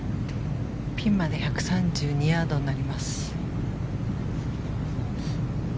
ピンまで１３２ヤードになります。